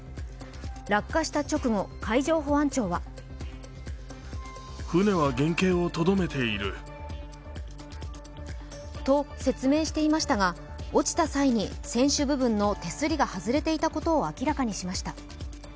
落下した直後、海上保安庁はと説明していましたが落ちた際に船首部分の手すりが外れていたことを明らかにしました。